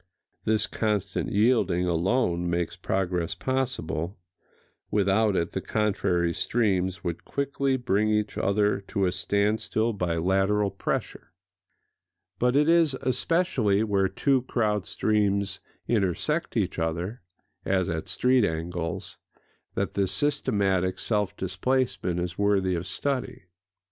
This constant yielding alone makes progress possible: without it the contrary streams would quickly bring each other to a standstill by lateral pressure. But it is especially where two crowd streams intersect each other, as at street angles, that this systematic self displacement is worthy [Pg 206] of study.